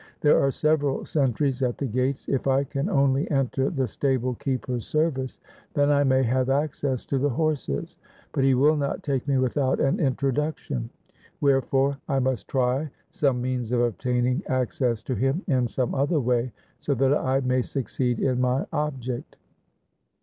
There are several sentries at the gates. If I can only enter the stable keeper's service, then I may have access to the horses ; but he will not take me without an introduction ; wherefore I must try some means of obtaining access to him in some other way, so that I may succeed in my object.'